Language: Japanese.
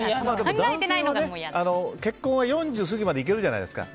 男性の結婚は４０過ぎまでいけるじゃないですか。